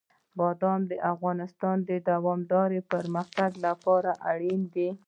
بادام د افغانستان د دوامداره پرمختګ لپاره اړین دي.